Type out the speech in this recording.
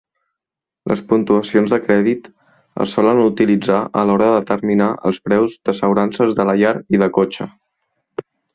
Les puntuacions de crèdit es solen utilitzar a l'hora de determinar preus d'assegurances de la llar i de cotxe.